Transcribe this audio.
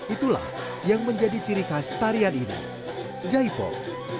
itulah yang menjadi ciri khas tarian ini jaipong